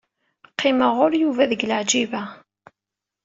Qqimeɣ ɣur Yuba deg Leɛǧiba.